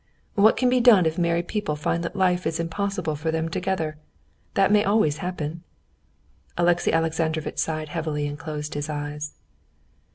What can be done if married people find that life is impossible for them together? That may always happen." Alexey Alexandrovitch sighed heavily and closed his eyes.